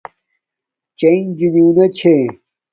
چݵئِݣ جِنݸݣݺ چھݺ.